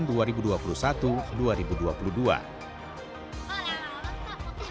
pertama pelajaran kelas satu dan kelas dua